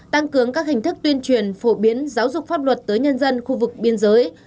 tăng cường các hình thức tuyên truyền phổ biến giáo dục pháp luật tới nhân dân khu vực biên giới